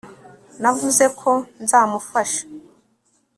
navuze ko nzamufasha